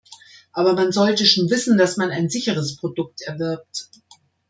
Aber man sollte schon wissen, dass man ein sicheres Produkt erwirbt.